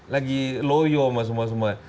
lagi loyo sama semua semua